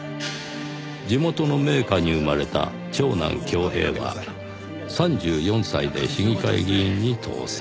地元の名家に生まれた長男郷平は３４歳で市議会議員に当選。